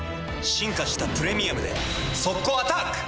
進化した「プレミアム」で速攻アタック！